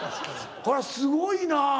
これはすごいな。